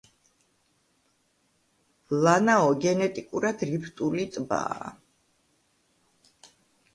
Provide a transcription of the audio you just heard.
ლანაო გენეტიკურად რიფტული ტბაა.